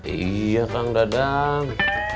iya kang dadang